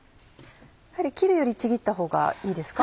切るよりちぎったほうがいいですか？